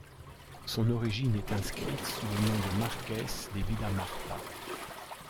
Son origine st inscrite sous le nom de Marqués de Villamarta.